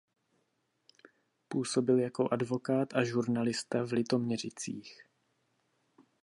Působil jako advokát a žurnalista v Litoměřicích.